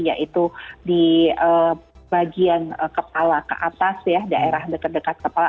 yaitu di bagian kepala ke atas ya daerah dekat dekat kepala